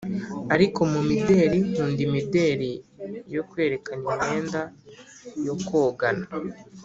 ariko mu mideli nkunda imideli yo kwerekana imyenda yo kogana